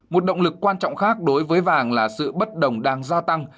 một động lực quan trọng khác đối với vàng là sự bất đồng đang gia tăng